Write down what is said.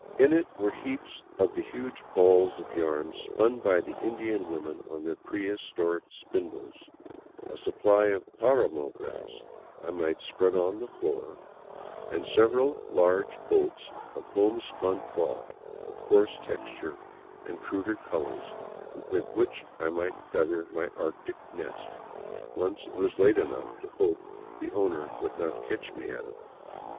In it were heaps of the huge balls of yarn spun by the Indian women on their prehistoric spindles, a supply of paramo grass I might spread on the earth floor, 261 VAGABONDING DOWN THE ANDES and several large bolts of homespun cloth of coarse texture and cruder colors with which I might feather my arctic nest, once it was late enough to hope the owner would not catch me at it.